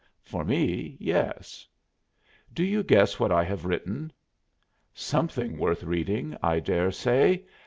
"For me, yes." "Do you guess what I have written?" "Something worth reading, I dare say.